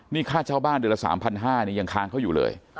นี่ข้าเจ้าบ้านเดือนละ๓๕๐๐ยังทางเค้าอยู่เลย